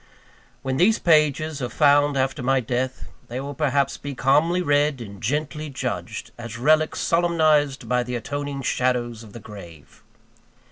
When these pages are found after my death, they will perhaps be calmly read and gently judged, as relics solemnized by the atoning shadows of the grave.